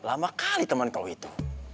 lama kali temen kau itu